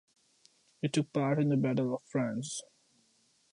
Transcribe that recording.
It took part in the Battle of France.